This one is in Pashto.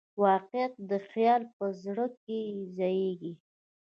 واقعیت د خیال په زړه کې زېږي.